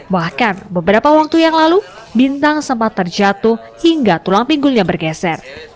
bahkan beberapa waktu yang lalu bintang sempat terjatuh hingga tulang pinggulnya bergeser